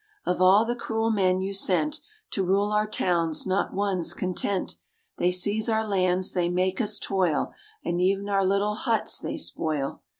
Of all the cruel men you sent To rule our towns, not one's content. They seize our lands, they make us toil, And e'en our little huts they spoil.